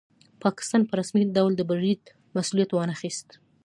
پاکستان په رسمي ډول د برید مسوولیت وانه خیست.